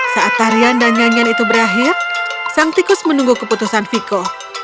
saat tarian dan nyanyian itu berakhir sang tikus menunggu keputusan viko